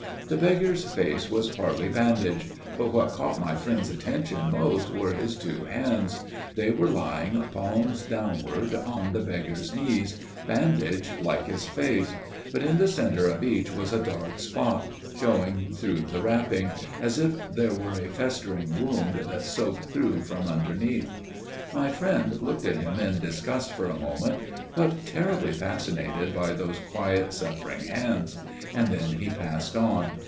The beggar's face was partly bandaged; but what caught my friend's attention most were his two hands. They were lying palms downwards on the beggar's knees, bandaged like his face, but in the centre of each was a dark spot, showing through the wrapping, as if there were a festering wound that soaked through from underneath. My friend looked at him in disgust for a moment: but terribly fascinated by those quiet suffering hands; and then he passed on.